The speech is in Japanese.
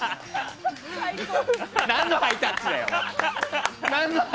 何のハイタッチだよ！